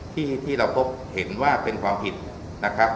ที่เราพบเห็นว่าเป็นความผิดนะครับ